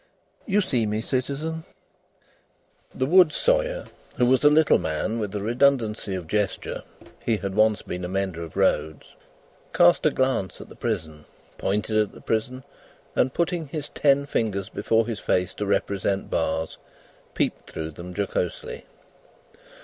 "You see me, citizen!" The wood sawyer, who was a little man with a redundancy of gesture (he had once been a mender of roads), cast a glance at the prison, pointed at the prison, and putting his ten fingers before his face to represent bars, peeped through them jocosely.